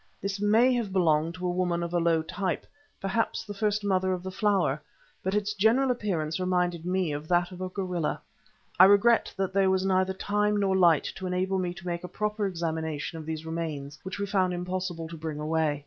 This may have belonged to a woman of a low type, perhaps the first Mother of the Flower, but its general appearance reminded me of that of a gorilla. I regret that there was neither time nor light to enable me to make a proper examination of these remains, which we found it impossible to bring away.